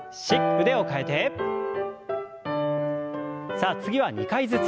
さあ次は２回ずつ。